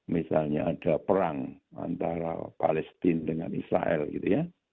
misalnya ada perang antara palestine dengan israel gitu ya